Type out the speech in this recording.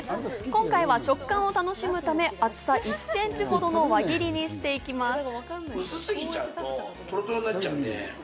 今回は食感を楽しむため、厚さ１センチほどの輪切りにしていきます。